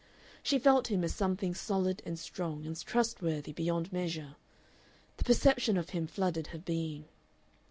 She felt him as something solid and strong and trustworthy beyond measure. The perception of him flooded her being.